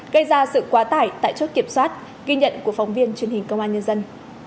gây ra sự quá tải tại chốt kiểm soát ghi nhận của phóng viên truyền hình công an nhân dân